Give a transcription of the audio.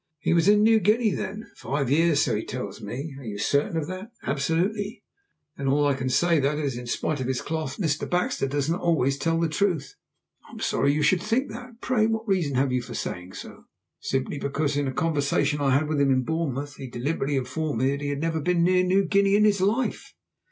"He was in New Guinea then?" "Five years so he tells me." "Are you certain of that?" "Absolutely!" "Then all I can say is that, in spite of his cloth, Mr. Baxter does not always tell the truth." "I am sorry you should think that. Pray what reason have you for saying so?" "Simply because in a conversation I had with him at Bournemouth he deliberately informed me that he had never been near New Guinea in his life."